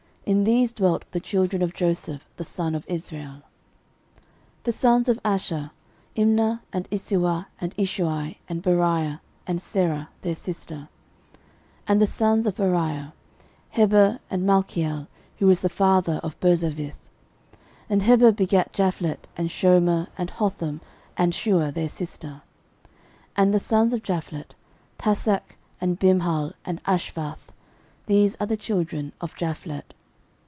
In these dwelt the children of Joseph the son of Israel. 13:007:030 The sons of Asher; Imnah, and Isuah, and Ishuai, and Beriah, and Serah their sister. 13:007:031 And the sons of Beriah; Heber, and Malchiel, who is the father of Birzavith. 13:007:032 And Heber begat Japhlet, and Shomer, and Hotham, and Shua their sister. 13:007:033 And the sons of Japhlet; Pasach, and Bimhal, and Ashvath. These are the children of Japhlet.